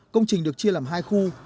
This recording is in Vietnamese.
công trình được chia làm hai khu